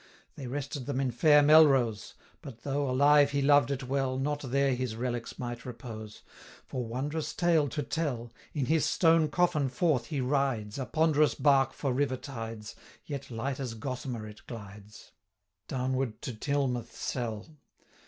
They rested them in fair Melrose; But though, alive, he loved it well, Not there his relics might repose; 265 For, wondrous tale to tell! In his stone coffin forth he rides, A ponderous bark for river tides, Yet light as gossamer it glides, Downward to Tilmouth cell.